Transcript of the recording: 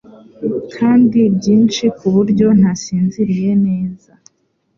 kandi ryinshi ku buryo ntasinziriye neza